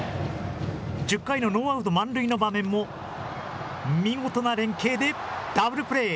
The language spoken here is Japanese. １０回のノーアウト満塁の場面も見事な連係でダブルプレー。